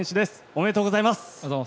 ありがとうございます。